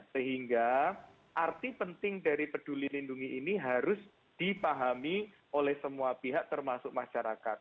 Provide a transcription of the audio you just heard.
sehingga arti penting dari peduli lindungi ini harus dipahami oleh semua pihak termasuk masyarakat